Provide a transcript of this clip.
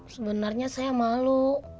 sebenarnya saya malu